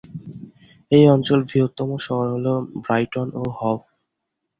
এই অঞ্চলের বৃহত্তম শহর হ'ল ব্রাইটন ও হভ।